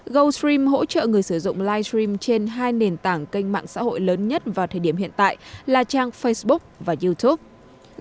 goldstream hỗ trợ người sử dụng livestream trên hai nền tảng kênh mạng xã hội lớn nhất vào thời điểm hiện tại là trang facebook và youtube